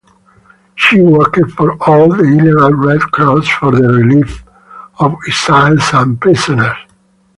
She worked for the Illegal Red Cross for the Relief of Exiles and Prisoners.